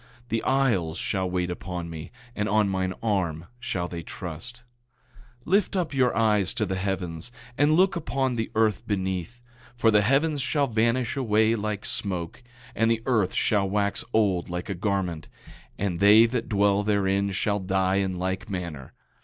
The isles shall wait upon me, and on mine arm shall they trust. 8:6 Lift up your eyes to the heavens, and look upon the earth beneath; for the heavens shall vanish away like smoke, and the earth shall wax old like a garment; and they that dwell therein shall die in like manner.